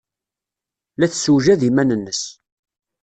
La tessewjad iman-nnes.